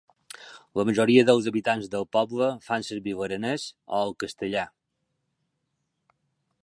La majoria dels habitants del poble fan servir l'Aranès o el Castellà.